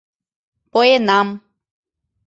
поенам